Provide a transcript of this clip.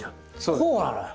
こうなのよ。